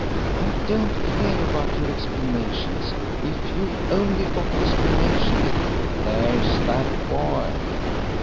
"I don't care about your explanations. If you've only got explanations " "There's that boy."